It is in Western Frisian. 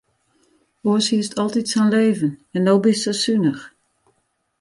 Oars hiest altyd sa'n leven en no bist sa sunich.